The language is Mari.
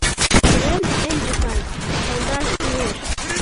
— Пурен ынже кай, кылдаш кӱлеш.